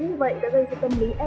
người tài xế kia mới được bình oan